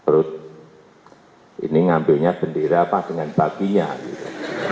rute ini ngambilnya bendera apa dengan paginya gitu